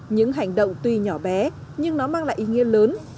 những hành động tuy nhỏ bé nhưng nó mang lại ý nghĩa lớn